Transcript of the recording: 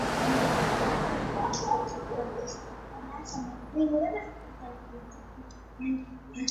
پیرود او پلور وکړئ.